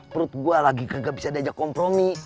perut gue lagi gak bisa diajak kompromi